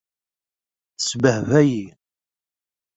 Tesbehba-yi.